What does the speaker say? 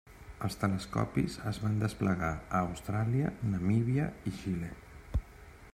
Els telescopis es van desplegar a Austràlia, Namíbia i Xile.